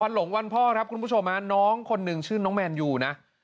หลงวันพ่อครับคุณผู้ชมน้องคนหนึ่งชื่อน้องแมนยูนะ